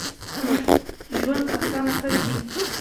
موټر ژوند اسان کړی دی.